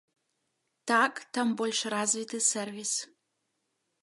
Так, там больш развіты сэрвіс.